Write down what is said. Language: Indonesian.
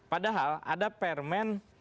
padahal ada permen